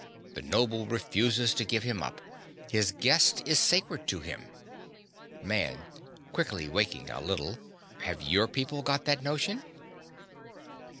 The noble refuses to give him up. His guest is sacred to him. MAN. (quickly waking up a little). Have your people got that notion?